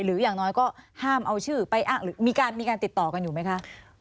อย่างน้อยก็ห้ามเอาชื่อไปอ้างหรือมีการติดต่อกันอยู่ไหมคะ